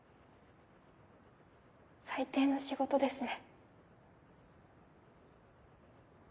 最低の仕事ですね。